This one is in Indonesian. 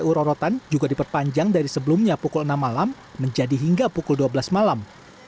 urorotan juga diperpanjang dari sebelumnya pukul enam malam menjadi hingga pukul dua belas malam